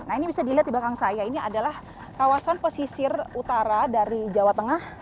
nah ini bisa dilihat di belakang saya ini adalah kawasan pesisir utara dari jawa tengah